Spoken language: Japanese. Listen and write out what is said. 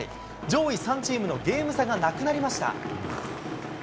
上位３チームのゲーム差がなくなりました。